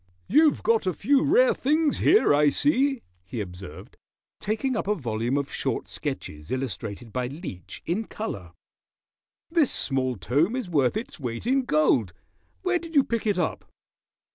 "You've got a few rare things here, I see," he observed, taking up a volume of short sketches illustrated by Leech, in color. "This small tome is worth its weight in gold. Where did you pick it up?"